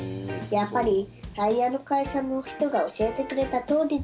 やっぱりタイヤの会社の人が教えてくれたとおりでした。